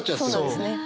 そうですね。